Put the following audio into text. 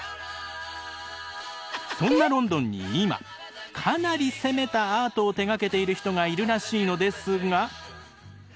そんなロンドンに今かなり攻めたアートを手がけている人がいるらしいのですが。